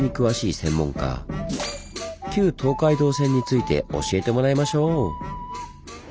旧東海道線について教えてもらいましょう！